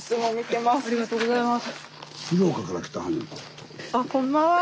ありがとうございます。